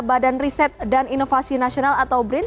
badan riset dan inovasi nasional atau brin